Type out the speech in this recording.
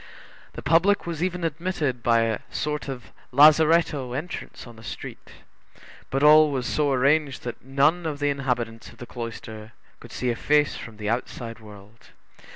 The public was even admitted by a sort of lazaretto entrance on the street. But all was so arranged, that none of the inhabitants of the cloister could see a face from the outside world.